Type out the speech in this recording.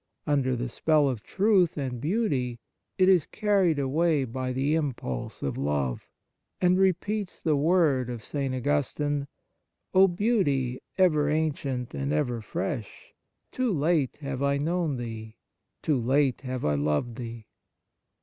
Under the spell of truth and beauty, it is carried away by the impulse of love, and repeats the word of St. Augustine :" O Beauty, ever ancient and ever fresh, too late 28 The Nature of Piety have I known thee, too late have I loved thee